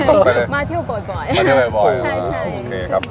ใช่มาเที่ยวบ่อย